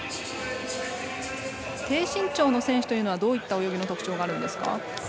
低身長の選手というのはどういった泳ぎの特徴があるんですか？